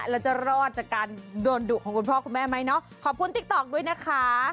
แล้วจะรอดจากการโดนดุของคุณพ่อคุณแม่ไหมเนาะขอบคุณติ๊กต๊อกด้วยนะคะ